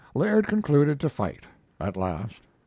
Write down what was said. Laird concluded to fight, at last.